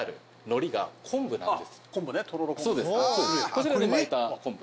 そちらで巻いた昆布。